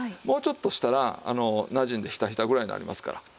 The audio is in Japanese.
もうちょっとしたらなじんでひたひたぐらいになりますから。